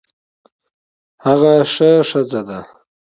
هغه ښه ښځه ده